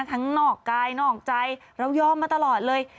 นอกกายนอกใจเรายอมมาตลอดเลย